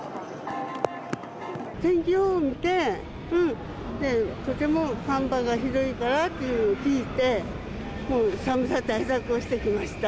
天気予報見て、とても寒波がひどいからと聞いて、もう、寒さ対策をしてきました。